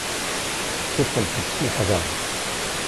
Udfent-d s leḥder.